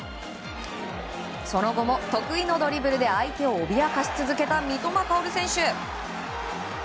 その後も、得意のドリブルで相手を脅かし続けた三笘薫選手。